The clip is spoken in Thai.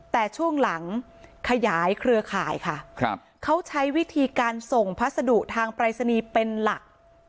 แต่ช่วงหลังขยายเครือข่ายค่ะครับเขาใช้วิธีการส่งพัสดุทางปรายศนีย์เป็นหลัก